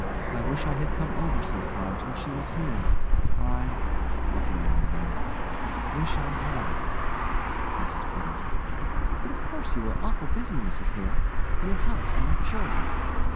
I wish I had come over sometimes when she was here. I (looking around the room) wish I had. MRS PETERS: But of course you were awful busy, Mrs Hale your house and your children.